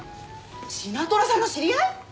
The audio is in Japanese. シナトラさんの知り合い？